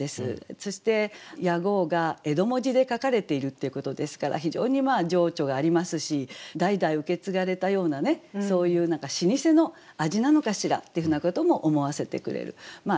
そして屋号が江戸文字で書かれているっていうことですから非常に情緒がありますし代々受け継がれたようなねそういう何か老舗の味なのかしらっていうふうなことも思わせてくれる仕立てのいい一句だったと思います。